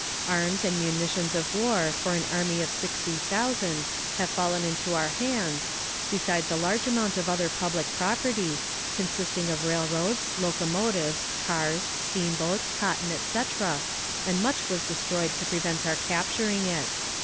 Arms and munitions of war for an army of sixty thousand have fallen into our hands, besides a large amount of other public property, consisting of railroads, locomotives, cars, steamboats, cotton, etc., and much was destroyed to prevent our capturing it."